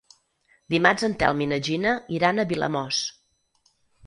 Dimarts en Telm i na Gina iran a Vilamòs.